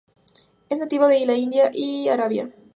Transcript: Es nativo de India y Arabia.